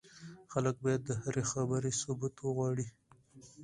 خلک بايد د هرې خبرې ثبوت وغواړي.